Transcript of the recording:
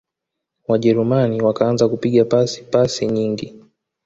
wajerumani wakaanza kupiga pasi pasi nyingi